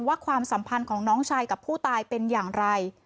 ความสัมพันธ์ของน้องชายกับผู้ตายเป็นอย่างไร